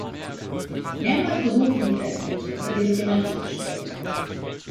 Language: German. Mehrmals besuchten die Eltern die Kinder, die sich aber nicht beschwerten.